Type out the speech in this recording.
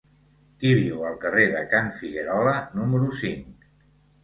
Qui viu al carrer de Can Figuerola número cinc?